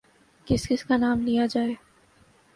کس کس کا نام لیا جائے۔